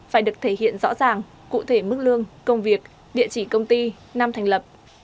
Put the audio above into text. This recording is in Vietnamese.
phải được thể hiện rõ ràng cụ thể mức lương công việc địa chỉ công ty năm thành lập